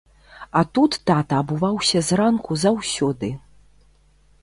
А тут тата абуваўся зранку заўсёды.